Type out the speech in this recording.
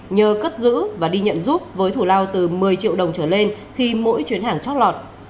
nhờ cất giữ và đi nhận giúp với thủ lao từ một mươi triệu đồng trở lên khi mỗi chuyến hàng chót lọt